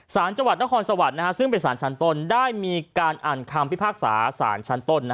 สารจังหวัดนครสวรรค์ซึ่งเป็นสารชั้นต้นได้มีการอ่านคำพิพากษาสารชั้นต้น